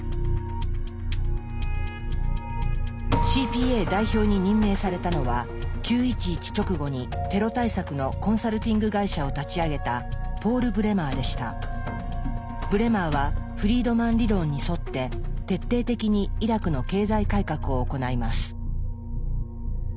ＣＰＡ代表に任命されたのは９．１１直後にテロ対策のコンサルティング会社を立ち上げたブレマーはフリードマン理論に沿って徹底的にイラクの経済改革を行います。